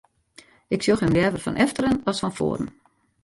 Ik sjoch him leaver fan efteren as fan foaren.